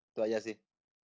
itu aja sih